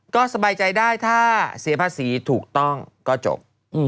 ก็สบายใจได้ถ้าเสียภาษีถูกต้องก็จบ